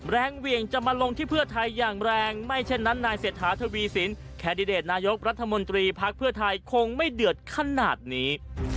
เหวี่ยงจะมาลงที่เพื่อไทยอย่างแรงไม่เช่นนั้นนายเศรษฐาทวีสินแคนดิเดตนายกรัฐมนตรีพักเพื่อไทยคงไม่เดือดขนาดนี้